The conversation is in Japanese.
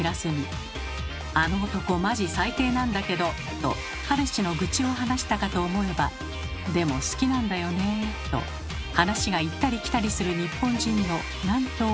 「あの男マジ最低なんだけど」と彼氏の愚痴を話したかと思えば「でも好きなんだよね」と話が行ったり来たりする日本人のなんと多いことか。